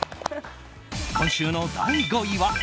今週の第５位は。